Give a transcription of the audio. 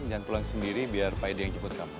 jangan pulang sendiri biar pak edy yang cepet kamu